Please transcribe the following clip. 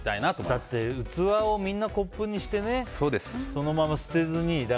だって器をみんな、コップにしてねそのまま捨てずに。